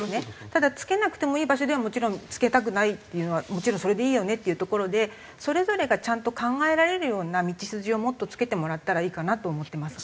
ただ着けなくてもいい場所では着けたくないっていうのはもちろんそれでいいよねっていうところでそれぞれがちゃんと考えられるような道筋をもっと付けてもらったらいいかなと思ってます。